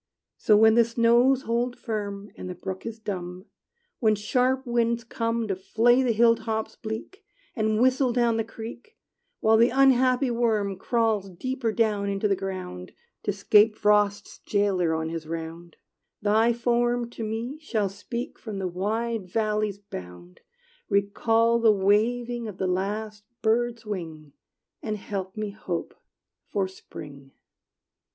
So, when the snows hold firm, And the brook is dumb; When sharp winds come To flay the hill tops bleak, And whistle down the creek; While the unhappy worm Crawls deeper down into the ground, To 'scape Frost's jailer on his round; Thy form to me shall speak From the wide valley's bound, Recall the waving of the last bird's wing, And help me hope for spring.